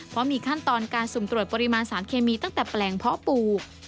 เพราะมีขั้นตอนการสุ่มตรวจปริมาณสารเคมีตั้งแต่แปลงเพาะปู